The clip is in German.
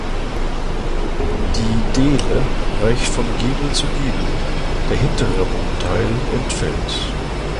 Die Deele reicht von Giebel zu Giebel, der hintere Wohnteil entfällt.